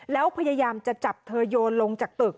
แล้วพยายามจะจับเธอโยนลงจากตึก